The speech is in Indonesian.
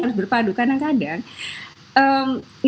harus berpadu kadang kadang